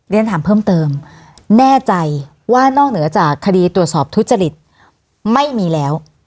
เรียนถามเพิ่มเติมแน่ใจว่านอกเหนือจากคดีตรวจสอบทุจริตไม่มีแล้ว